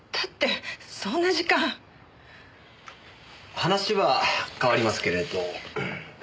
話は変わりますけれど。